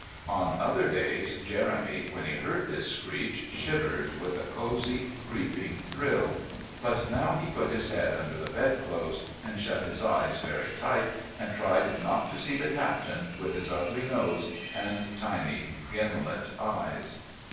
On other days Jeremy, when he heard this screech, shivered with a cosy, creeping thrill; but now he put his head under the bedclothes, shut his eyes very tight, and tried not to see the Captain with his ugly nose and tiny gimlet eyes.